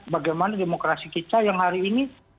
bagaimana demokrasi kita yang hari ini